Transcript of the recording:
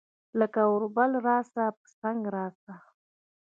لکه اوربل راسه ، پۀ څنګ راسه